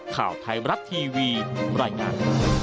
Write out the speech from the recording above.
ข่าวไทยรับทีวีรายงาน